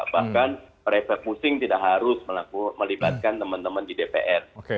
bahkan privat pusing tidak harus melibatkan teman teman di dpr